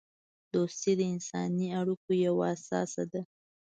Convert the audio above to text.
دوستی د انسانی اړیکو یوه اساس ده.